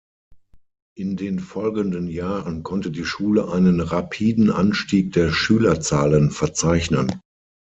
In den folgenden Jahren konnte die Schule einen rapiden Anstieg der Schülerzahlen verzeichnen.